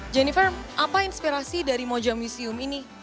jennifer apa inspirasi dari moja museum ini